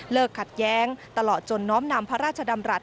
ขัดแย้งตลอดจนน้อมนำพระราชดำรัฐ